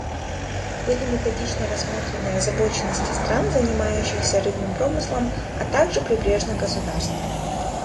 Были методично рассмотрены озабоченности стран, занимающихся рыбным промыслом, а также прибрежных государств.